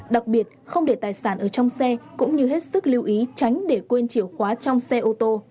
đặc biệt không để tài sản ở trong xe cũng như hết sức lưu ý tránh để quên chìa khóa trong xe ô tô